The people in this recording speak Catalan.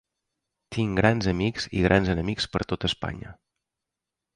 Tinc grans amics i grans enemics per tot Espanya.